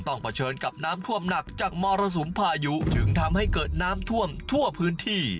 เผชิญกับน้ำท่วมหนักจากมรสุมพายุจึงทำให้เกิดน้ำท่วมทั่วพื้นที่